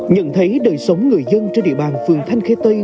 nhận thấy đời sống người dân trên địa bàn phường thanh khê tây